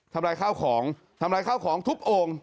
ทำร้ายข้าวของทำลายข้าวของทุบโอ่ง